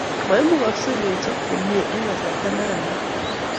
maimugaksei kechop komie eng kasarta nekanget